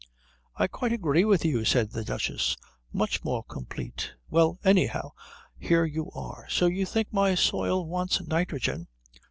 "I quite agree with you," said the Duchess. "Much more complete. Well, anyhow, here you are. So you think my soil wants nitrogen?"